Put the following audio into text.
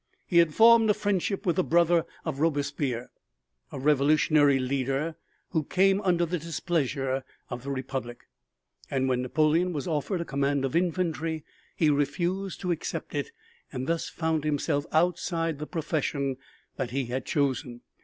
He had formed a friendship with the brother of Robespierre, a revolutionary leader who came under the displeasure of the Republic. And when Napoleon was offered a command of infantry, he refused to accept it, and thus found himself outside the profession that he had chosen.